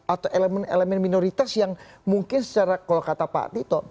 atau elemen elemen minoritas yang mungkin secara kalau kata pak tito